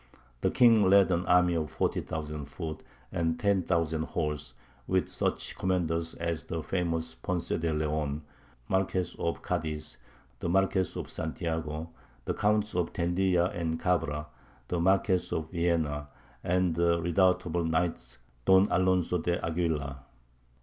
The king led an army of forty thousand foot and ten thousand horse, with such commanders as the famous Ponce de Leon, Marquess of Cadiz, the Marquess of Santiago, the Counts of Tendilla and Cabra, the Marquess of Villena, and the redoubtable knight, Don Alonzo de Aguilar.